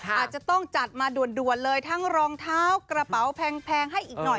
อาจจะต้องจัดมาด่วนเลยทั้งรองเท้ากระเป๋าแพงให้อีกหน่อย